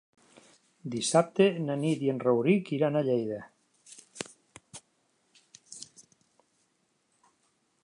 Dissabte na Nit i en Rauric iran a Lleida.